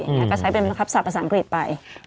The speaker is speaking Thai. อย่างนี้ก็ใช้เป็นทับสักฯภาษาอังกฤษไป